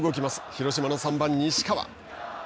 広島の３番西川。